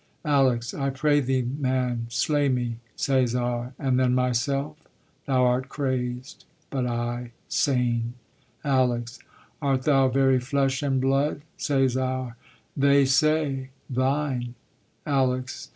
ALEX. I pray thee, man, Slay me. CÆSAR. And then myself? Thou art crazed, but I Sane. ALEX. Art thou very flesh and blood? CÆSAR. They say, Thine. ALEX.